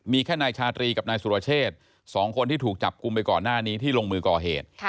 มีแค่นายชาตรีกับนายสุรเชษ๒คนที่ถูกจับกลุ่มไปก่อนหน้านี้ที่ลงมือก่อเหตุ